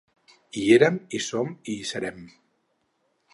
Hi érem, hi som i hi serem!